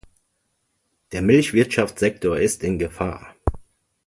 Der Milchwirtschaftssektor ist in Gefahr.